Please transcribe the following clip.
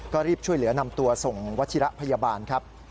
ก็รีบช่วยเหลือนำตัวส่งวัชิระพยาบาลครับ